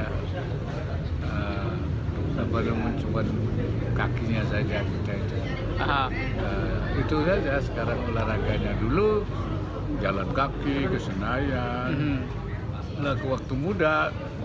assalamualaikum warahmatullahi wabarakatuh